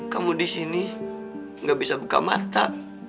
kamu di sini gak bisa buka mata